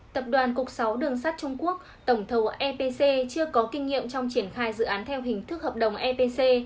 tập đoàn cục sáu đường sắt trung quốc tổng thầu epc chưa có kinh nghiệm trong triển khai dự án theo hình thức hợp đồng epc